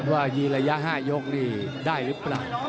ว่ายีระยะ๕ยกนี่ได้หรือเปล่า